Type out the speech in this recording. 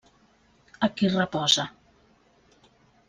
Aquí reposa.